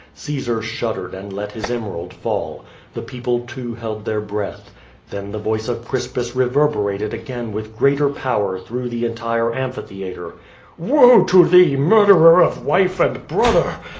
Caesar shuddered and let his emerald fall. The people, too, held their breath. Then the voice of Crispus reverberated again with greater power through the entire amphitheatre: "AVoe to thee, murderer of wife and brother!